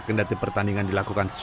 kendali pertandingan dilakukan seharian